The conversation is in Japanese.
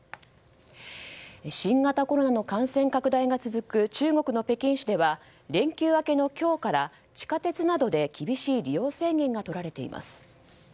新型コロナの感染拡大が続く中国の北京市では連休明けの今日から地下鉄などで厳しい利用制限がとられています。